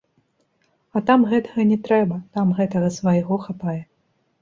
А там гэтага не трэба, там гэтага свайго хапае.